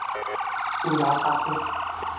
布拉萨克。